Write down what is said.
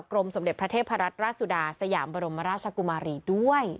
สมเด็จพระเทพรัตนราชสุดาสยามบรมราชกุมารีด้วย